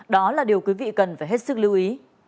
đó là điều quý vị cần phải hết sức lưu ý